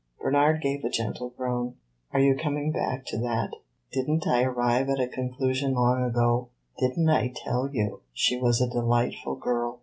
Bernard gave a gentle groan. "Are you coming back to that? Did n't I arrive at a conclusion long ago? Did n't I tell you she was a delightful girl?"